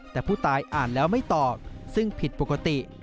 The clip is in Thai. แต่ผู้ตายอ่านแล้วไม่ตอบซึ่งผิดปกติ